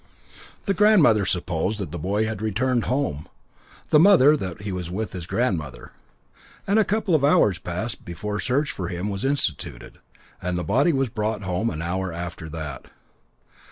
The grandmother supposed that the boy had returned home, the mother that he was with his grandmother, and a couple of hours passed before search for him was instituted, and the body was brought home an hour after that.